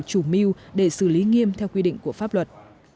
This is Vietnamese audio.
chủ mưu để xử lý nghiêm theo quy định của pháp luật